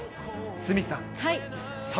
鷲見さん。